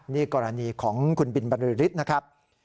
นี่กรณีของคุณบินบริษฐ์นะครับ